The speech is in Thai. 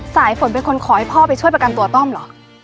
สายฝนเป็นคนขอให้พ่อไปช่วยประกันตัวต้อมเหรอ